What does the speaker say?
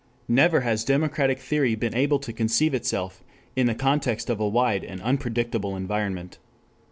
Never has democratic theory been able to conceive itself in the context of a wide and unpredictable environment.